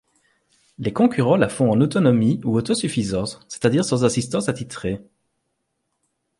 Les concurrents la font en autonomie ou auto-suffisance, c'est-à-dire sans assistance attitrée.